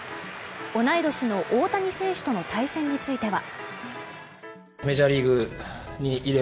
同い年の大谷選手との対戦については。